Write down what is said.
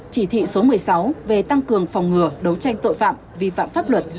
chỉ thị số một mươi sáu về tăng cường phòng ngừa đấu tranh tội phạm vi phạm pháp luật